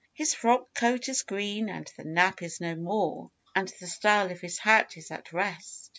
His frock coat is green and the nap is no more, And the style of his hat is at rest.